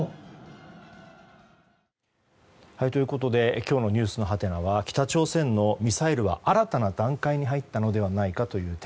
今日のｎｅｗｓのハテナは北朝鮮のミサイルは新たな段階に入ったのではないかという点。